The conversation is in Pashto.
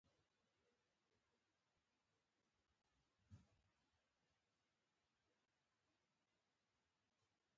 د طالبانو ځیني افراطي مشران وایي